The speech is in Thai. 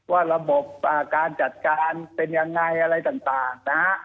ว่าระบบการจัดการเป็นยังไงอะไรต่างนะฮะ